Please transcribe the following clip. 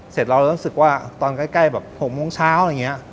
เสร็จเรารู้สึกว่าตอนใกล้แบบ๖โมงเช้าอะไรอย่างนี้